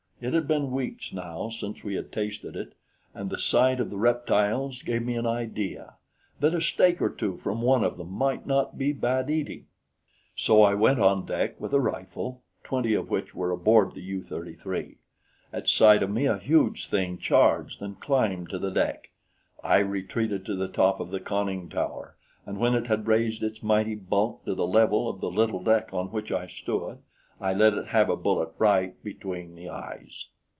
It had been weeks, now, since we had tasted it, and the sight of the reptiles gave me an idea that a steak or two from one of them might not be bad eating. So I went on deck with a rifle, twenty of which were aboard the U 33. At sight of me a huge thing charged and climbed to the deck. I retreated to the top of the conning tower, and when it had raised its mighty bulk to the level of the little deck on which I stood, I let it have a bullet right between the eyes.